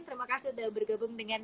terima kasih sudah bergabung dengan